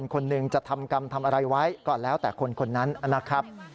คนหนึ่งจะทำกรรมทำอะไรไว้ก็แล้วแต่คนนั้นนะครับ